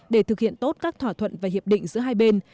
để thực hiện tốt các thỏa thuận và hiệp định giữa hai bên